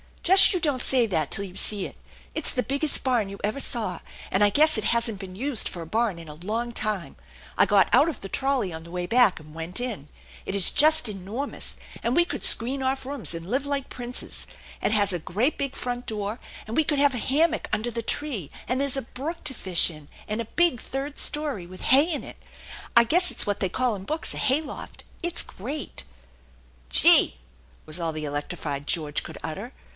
Just you don't say that till you see it. It's the biggest barn you ever saw, and I guess it hasn't been used for a barn in a long time. I got out of tho farollev on the way back, and went in. It is iust enormous^ OS THE ENCHANTED BARN and we could screen off rooms and live like princes. It has a great big front door, and we could have a hammock under the tree; and there's a brook to fish in, and a big third story with hay in it. I guess it's what they call in books a hay loft. If s great." " Gee !" was all the electrified George could utter.